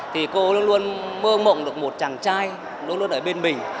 thì cô luôn luôn mơ mộng được một chàng trai luôn luôn ở bên mình